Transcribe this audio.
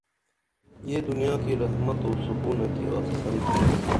یہ دنیا کی رحمت او سکونہ کی آڅِسن تھا